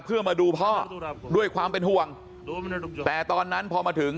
เพื่อมาดูพ่อด้วยความเป็นห่วงแต่ตอนนั้นพอมาถึง